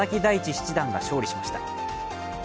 七段が勝利しました。